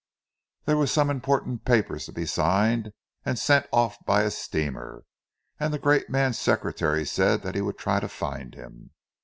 There were some important papers to be signed and sent off by a steamer; and the great man's secretary said that he would try to find him.